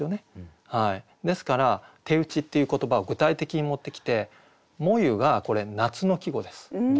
ですから「手打ち」っていう言葉を具体的に持ってきて「炎ゆ」がこれ夏の季語です。